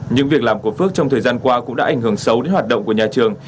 nhưng việc làm của phước trong thời gian qua cũng đã ảnh hưởng xấu đến hoạt động của nhà trường